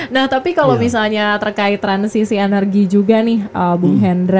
nah tapi kalau misalnya terkait transisi energi juga nih bung hedra